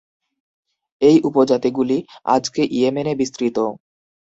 এই উপজাতিগুলি আজকে ইয়েমেনে বিস্তৃত।